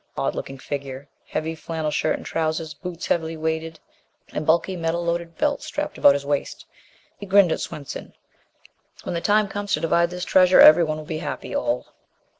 Odd looking figure! Heavy flannel shirt and trousers, boots heavily weighted, and bulky metal loaded belt strapped about his waist. He grinned at Swenson. "When the time comes to divide this treasure, everyone will be happy, Ole."